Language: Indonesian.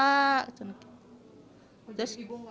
jadi ibu nggak tahu kalau katarak ya